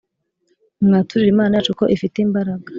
Mwaturire Imana yacu ko ifite imbaraga